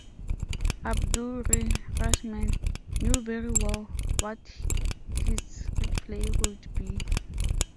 'Abdu 'r-Rahman knew very well what his reply would be.